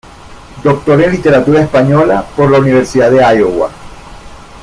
Doctor en Literatura Española por la Universidad de Iowa.